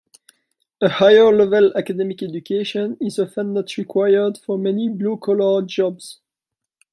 A higher level academic education is often not required for many blue-collar jobs.